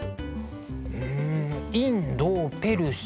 うんインドペルシャ